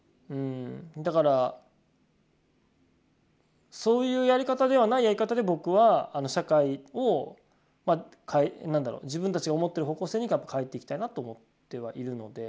だからそういうやり方ではないやり方で僕は社会を自分たちが思ってる方向性に変えていきたいなと思ってはいるので。